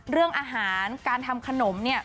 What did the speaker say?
เรื่องอาหารการทำขนมเนี่ย